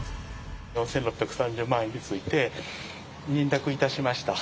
４６３０万円について認諾いたしました。